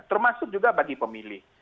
termasuk juga bagi pemilih